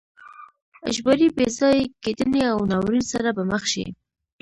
اجباري بې ځای کېدنې له ناورین سره به مخ شي.